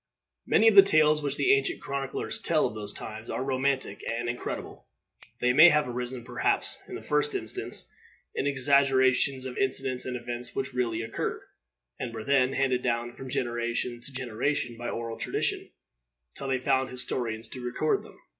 Many of the tales which the ancient chroniclers tell of those times are romantic and incredible; they may have arisen, perhaps, in the first instance, in exaggerations of incidents and events which really occurred, and were then handed down from generation to generation by oral tradition, till they found historians to record them.